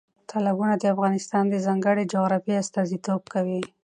تالابونه د افغانستان د ځانګړې جغرافیې استازیتوب کوي.